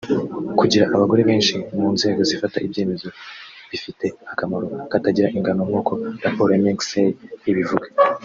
Kugira abagore benshi mu nzego zifata ibyemezo bifite akamaro katagira ingano nk’uko raporo ya McKinsey ibivuga